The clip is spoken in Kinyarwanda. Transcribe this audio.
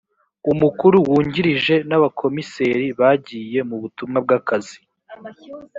umukuru wungirije n’abakomiseri bagiye mu butumwa bw’akazi